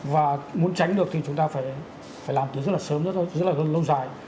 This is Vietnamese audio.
và muốn tránh được thì chúng ta phải làm từ rất là sớm rất là lâu dài